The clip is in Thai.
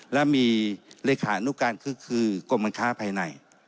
และมีเลขานุการคือกรมการค้าภายใน